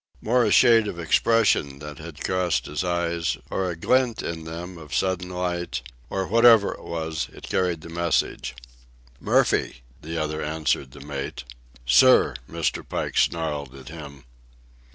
More a shade of expression that had crossed his eyes, or a glint in them of sudden light—or whatever it was, it carried the message. "Murphy," the other answered the mate. "Sir!" Mr. Pike snarled at him.